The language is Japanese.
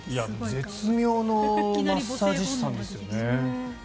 絶妙のマッサージ師さんですよね。